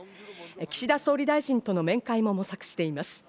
岸田総理大臣との面会も模索しています。